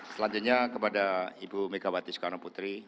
selanjutnya kepada ibu megawati soekarno putri